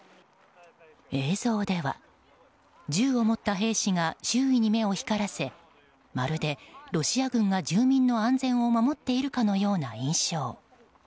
映像では銃を持った兵士が周囲に目を光らせまるでロシア軍が住民の安全を守っているかのような印象。